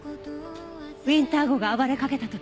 ウィンター号が暴れかけた時。